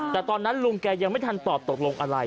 แต่ตอนนั้นลุงแกยังไม่ทันตอบตกลงอะไร